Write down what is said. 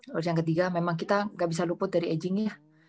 terus yang ketiga memang kita nggak bisa luput dari agingnya